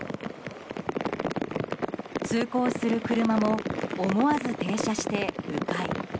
通行する車も思わず停車して迂回。